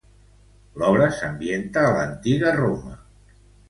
L'obra s'ambienta a l'Antiga Roma.